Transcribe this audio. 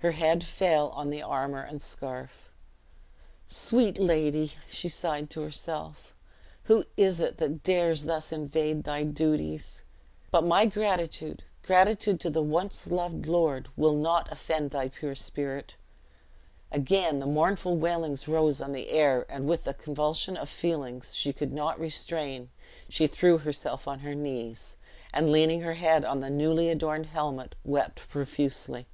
Her head fell on the armor and scarf. "Sweet lady," sighed she to herself, "who is it that dares thus invade thy duties? But my gratitude gratitude to the once loved lord, will not offend thy pure spirit!" Again the mournful wailings rose on the air; and with a convulsion of feelings she could not restrain, she threw herself on her knees, and leaning her head on the newly adorned helmet, wept profusely.